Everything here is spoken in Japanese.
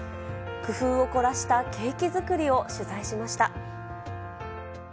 工夫を凝らしたケーキ作りを取材しました。